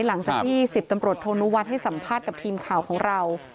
หลังจากที่๑๐ตำรวจโทนุวัฒน์ให้สัมภาษณ์กับทีมข่าวของเรา